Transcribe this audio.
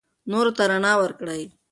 نورو ته رڼا ورکړئ.